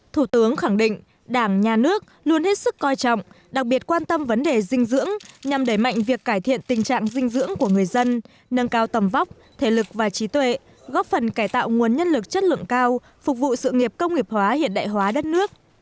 thủ tướng khẳng định đảng nhà nước luôn hết sức coi trọng đặc biệt quan tâm vấn đề dinh dưỡng nhằm đẩy mạnh việc cải thiện tình trạng dinh dưỡng của người dân nâng cao tầm vóc thể lực và trí tuệ góp phần cải tạo nguồn nhân lực chất lượng cao phục vụ sự nghiệp công nghiệp hóa hiện đại hóa đất nước